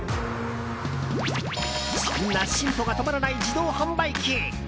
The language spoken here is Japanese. そんな進歩が止まらない自動販売機。